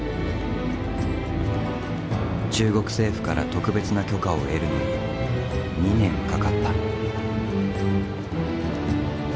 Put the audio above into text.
中国政府から特別な許可を得るのに２年かかった。